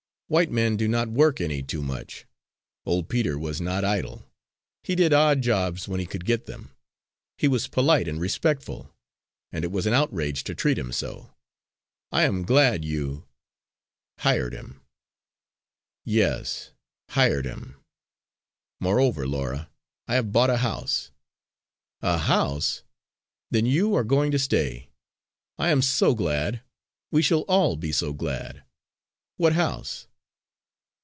White men do not work any too much. Old Peter was not idle. He did odd jobs, when he could get them; he was polite and respectful; and it was an outrage to treat him so. I am glad you hired him." "Yes hired him. Moreover, Laura. I have bought a house." "A house! Then you are going to stay! I am so glad! we shall all be so glad. What house?"